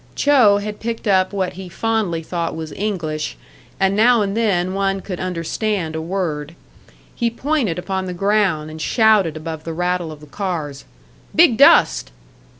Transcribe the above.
Cho had picked up what he fondly thought was English, and now and then one could understand a word. He pointed upon the ground, and shouted above the rattle of the cars: "Big dust!"